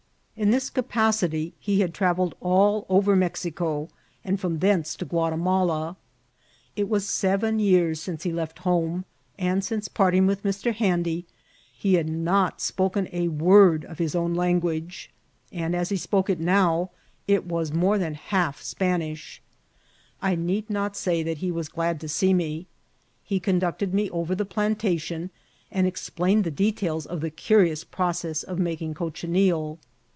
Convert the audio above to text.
In this capacity he bad travelled IHCIDXNTS OF TEATXL. all over Mexico, and from thenee to Gtiatimala. It was aeven yean sinoe he left hmne, and aince parting with Mr. Handy he had not qpoken a word of his own lan guage ; and as he qpoke it now it was more than half Spanish. I need not say that he was glad to see me. He oonducted me oyer the plantation, and explained the details of the outions process of making cochineal.